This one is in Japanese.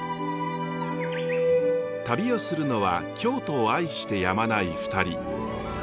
旅をするのは京都を愛してやまない２人！